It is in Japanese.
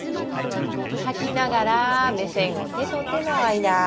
吐きながら目線を手と手の間。